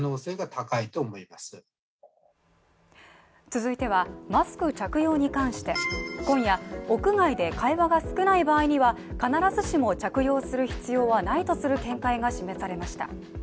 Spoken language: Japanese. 続いては、マスク着用に関して、今夜屋外で会話が少ない場合には、必ずしも着用する必要はないとする見解が示されました。